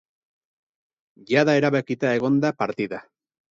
Jada erabakita egon da partida.